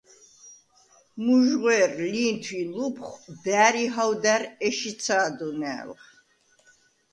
მუჟღუ̂ერ, ლინთუ̂ ი ლუფხუ̂ და̈რ ი ჰაუ̂და̈რ ეშ იცა̄დუნა̄̈ლხ.